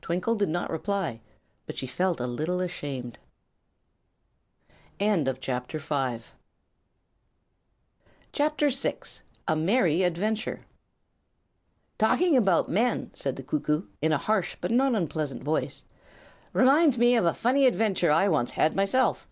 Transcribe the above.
Twinkle did not reply, but she felt a little ashamed. [CHAPTER VI] A Merry Adventure "Talking about men," said the cuckoo, in a harsh but not very unpleasant voice, "reminds me of a funny adventure I once had myself.